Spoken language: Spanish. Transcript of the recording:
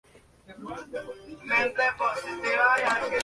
Es uno de los pocos villancicos tradicionales ingleses que menciona al año nuevo.